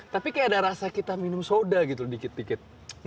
tapi kayak ada rasa kita minum soda gitu dikit dikit